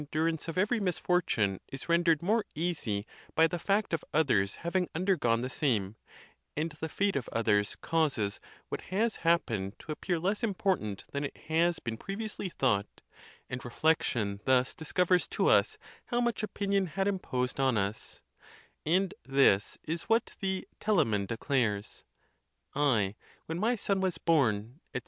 durance of every misfortune is rendered more easy by the fact of others having undergone the same, and the fate of others causes what has happened to appear less important than it has been previously thought, and reflection thus discovers to us how much opinion had imposed on us, And this is what the Telamon declares, "I, when my son was born," etc.